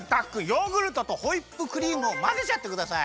ヨーグルトとホイップクリームをまぜちゃってください！